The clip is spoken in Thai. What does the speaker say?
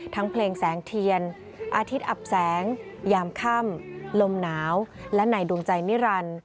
เพลงแสงเทียนอาทิตย์อับแสงยามค่ำลมหนาวและในดวงใจนิรันดิ์